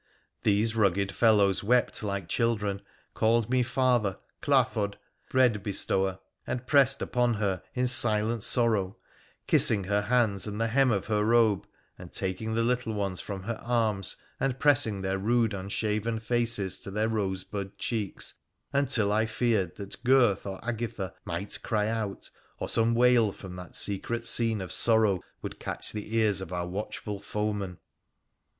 These rugged fellows wept like children, called me father, klafod, ' bread bestower,' and pressed upon her in silent sorrow, kissing her hands and the hem of her robe, and taking the little ones from her arms, and pressing their rude unshaven faces to their rosebud cheeks until I feared that Gurth or Agitha might cry out, or some wail from that secret scene of sorrow would catch the ears of our watch ful foemen.